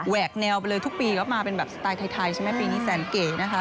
แนวไปเลยทุกปีก็มาเป็นแบบสไตล์ไทยใช่ไหมปีนี้แสนเก๋นะคะ